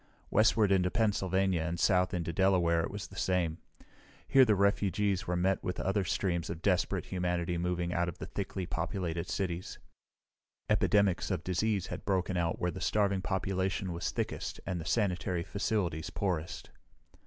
Westward into Pennsylvania and south into Delaware it was the same. Here the refugees were met with other streams of desperate humanity moving out of the thickly populated cities. Epidemics of disease had broken out where the starving population was thickest and the sanitary facilities poorest.